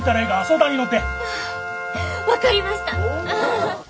分かりました！